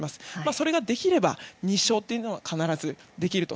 それができれば、２勝というのは必ずできると。